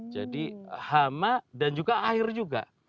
jadi hama dan juga air juga